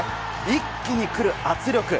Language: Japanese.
一気に来る圧力。